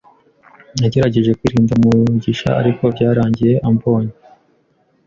Nagerageje kwirinda Mugisha ariko byarangiye ambonye.